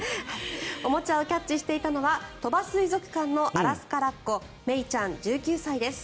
おもちゃをキャッチしていたのは鳥羽水族館のアラスカラッコメイちゃん、１９歳です。